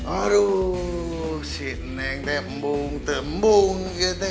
aduh si neng tembung tembung